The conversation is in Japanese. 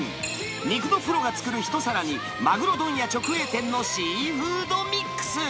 肉のプロが作る一皿に、マグロ問屋直営店のシーフードミックス。